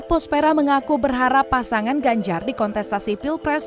pospera mengaku berharap pasangan ganjar di kontestasi pilpres